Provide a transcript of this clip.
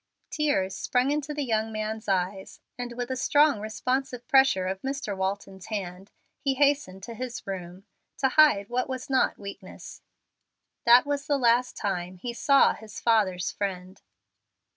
Tears sprung into the young man's eyes, and with a strong responsive pressure of Mr. Walton's hand, he hastened to his room, to hide what was not weakness. That was the last time he saw his father's friend.